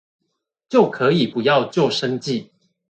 就可以不要舊生計